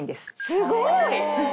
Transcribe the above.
すごい！